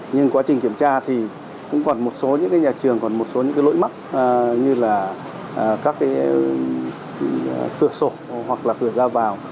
nhưng quá trình kiểm tra thì cũng còn một số những nhà trường còn một số những lỗi mắc như là các cái cửa sổ hoặc là cửa ra vào